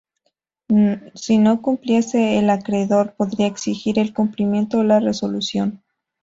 Si no cumpliese, el acreedor podría exigir el cumplimiento o la resolución.